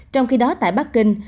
trong khi đó tại bắc kinh